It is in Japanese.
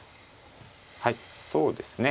はいそうですね。